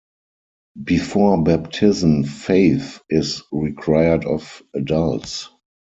Before baptism faith is required of adults.